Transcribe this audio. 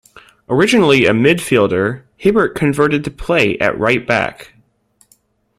Originally a midfielder, Hibbert converted to play at right back.